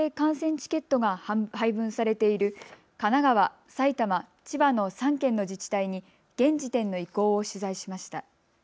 チケットが配分されている神奈川、埼玉、千葉の３県の自治体に現時点の意向を取材しました。